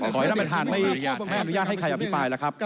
ขอให้ท่านประธานไม่อนุญาตให้ใครอภิปรายแล้วครับ